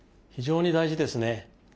非常に大事ですね。